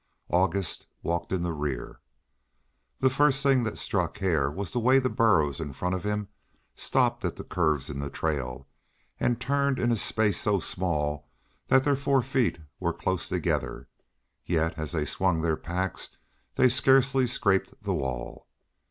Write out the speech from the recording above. August walked in the rear. The first thing that struck Hare was the way the burros in front of him stopped at the curves in the trail, and turned in a space so small that their four feet were close together; yet as they swung their packs they scarcely scraped the wall.